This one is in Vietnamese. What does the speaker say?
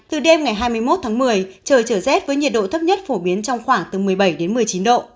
từ đêm ngày hai mươi một tháng một mươi trời trở rét với nhiệt độ thấp nhất phổ biến trong khoảng từ một mươi bảy đến một mươi chín độ